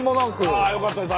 あよかったです。